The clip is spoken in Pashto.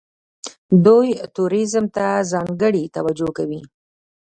دوی ټوریزم ته ځانګړې توجه کوي.